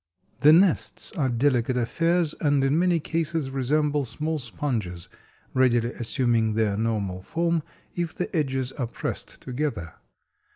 The nests are delicate affairs, and in many cases resemble small sponges, readily assuming their normal form if the edges are pressed together.